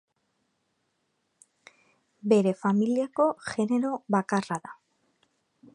Bere familiako genero bakarra da.